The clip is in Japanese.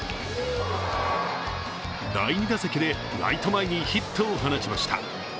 第２打席でライト前にヒットを放ちました。